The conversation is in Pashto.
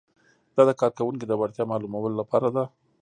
دا د کارکوونکي د وړتیا معلومولو لپاره ده.